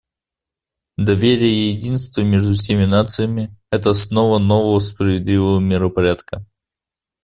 Доверие и единство между всеми нациями — это основа нового справедливого миропорядка.